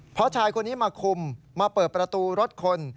เพราะชายคนนี้มาคุมมาเปิดประตูรถคน